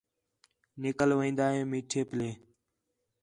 نِکل وین٘دا ہے میٹھے پلّے